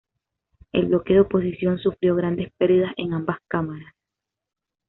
El bloque de oposición sufrió grandes perdidas en ambas cámaras.